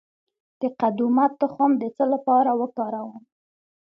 د قدومه تخم د څه لپاره وکاروم؟